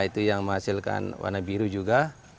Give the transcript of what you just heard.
itu yang menghasilkan warna biru juga